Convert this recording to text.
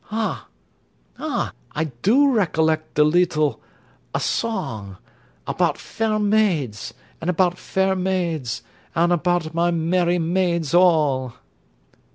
Ah! ah! I do recollect de leetle a song: 'About fair maids, and about fair maids, and about my merry maids all.'